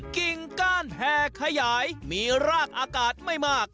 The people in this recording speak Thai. กิ่งก้านแห่ขยายมีรากอากาศไม่มาก